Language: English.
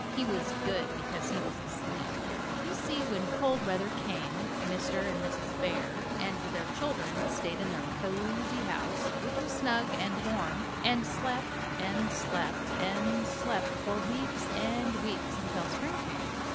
He was good because he was asleep! You see when cold weather came, Mr. and Mrs. Bear and their children stayed in their cozy house, which was snug and warm, and slept and slept and slept for weeks and weeks until spring came.